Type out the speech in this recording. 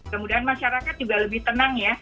kemudian masyarakat juga lebih tenang ya